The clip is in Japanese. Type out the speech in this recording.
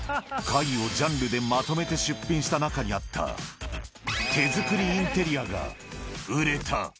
貝をジャンルでまとめて出品した中にあった手作りインテリアが売れた。